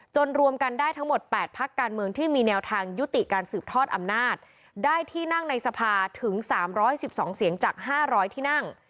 รวมกันได้ทั้งหมด๘พักการเมืองที่มีแนวทางยุติการสืบทอดอำนาจได้ที่นั่งในสภาถึง๓๑๒เสียงจาก๕๐๐ที่นั่ง